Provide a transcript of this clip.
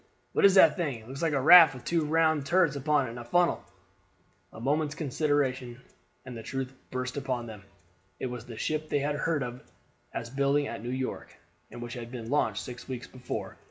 "What is the thing? It looks like a raft with two round turrets upon it, and a funnel." A moment's consideration, and the truth burst upon them. It was the ship they had heard of as building at New York, and which had been launched six weeks before.